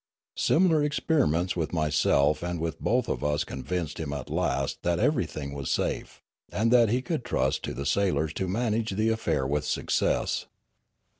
Similar experiments with myself and with both of us convinced him at last that everything was safe, and that he could trust to the sailors to manage the affair with success.